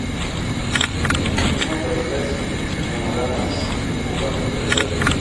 Forman parejas monógamas que ocupan un territorio.